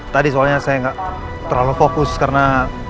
tadi soalnya saya nggak terlalu fokus karena